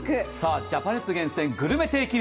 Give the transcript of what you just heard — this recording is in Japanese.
ジャパネット厳選グルメ定期便。